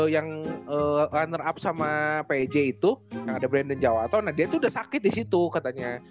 yang runner up sama pj itu yang ada brandon jawatau nah dia tuh udah sakit disitu katanya